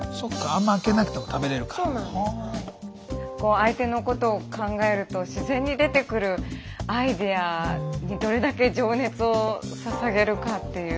相手のことを考えると自然に出てくるアイデアにどれだけ情熱をささげるかっていう。